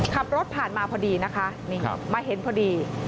ขับรถผ่านมาพอดีนะคะมาเห็นพอดี